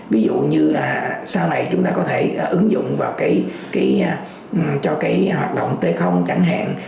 ví dụ như là sau này chúng ta có thể ứng dụng vào cho cái hoạt động t chẳng hạn